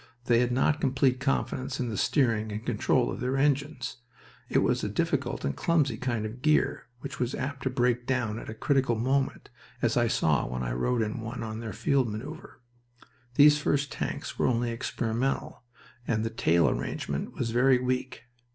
They had not complete confidence in the steering and control of their engines. It was a difficult and clumsy kind of gear, which was apt to break down at a critical moment, as I saw when I rode in one on their field of maneuver. These first tanks were only experimental, and the tail arrangement was very weak.